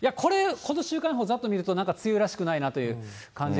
これをざっと見てと、梅雨らしくないなという感じが。